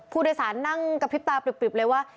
ผู้โดยสารนั่งกระพริบตาปริบเลยว่า